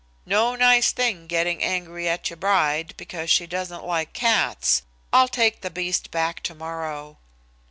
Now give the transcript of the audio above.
No nice thing getting angry at your bride, because she doesn't like cats. I'll take the beast back tomorrow."